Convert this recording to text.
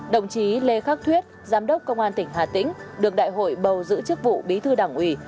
đồng chí lê khắc thuyết giám đốc công an tỉnh hà tĩnh được đại hội bầu giữ chức vụ bí thư đảng ủy